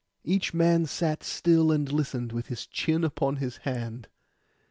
Each man sat still and listened, with his chin upon his hand.